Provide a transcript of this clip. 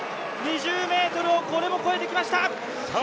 ２０ｍをこれも越えてきました。